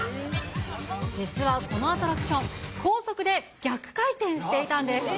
実はこのアトラクション、高速で逆回転していたんです。